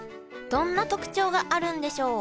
どんな特徴があるんでしょう？